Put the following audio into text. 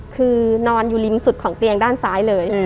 คือนอนอยู่ริมสุดของเตียงด้านซ้ายเลย